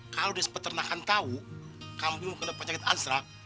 kalau desa peternakan tahu kambingmu kena penyakit ansrak